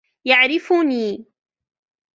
يعرفني.